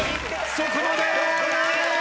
そこまで！